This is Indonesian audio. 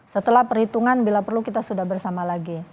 setelah perhitungan bila perlu kita sudah bersama lagi